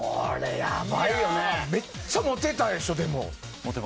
めっちゃモテたでしょ？